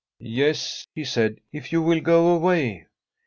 ' Yes,' he said, * if you will go away.'